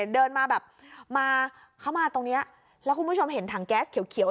เดินมาแบบมาเข้ามาตรงนี้แล้วคุณผู้ชมเห็นถังแก๊สเขียว